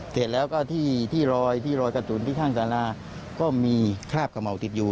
เสร็จแล้วก็ที่รอยที่รอยกระสุนที่ข้างสาราก็มีคราบขม่าติดอยู่